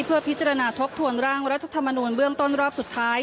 เพื่อพิจารณาทบทวนร่างรัฐธรรมนูลเบื้องต้นรอบสุดท้าย